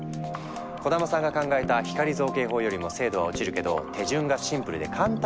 小玉さんが考えた光造形法よりも精度は落ちるけど手順がシンプルで簡単にできる。